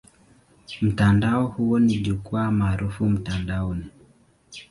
Mtandao huo ni jukwaa maarufu mtandaoni.